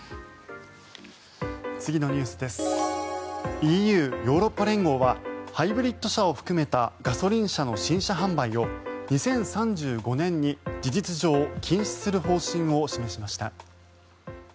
ＥＵ・ヨーロッパ連合はハイブリッド車を含めたガソリン車の新車販売を２０３５年に事実上、禁止する方針を示しました。